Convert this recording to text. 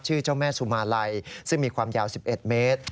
เจ้าแม่สุมาลัยซึ่งมีความยาว๑๑เมตร